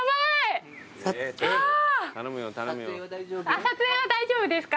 あっ撮影は大丈夫ですか？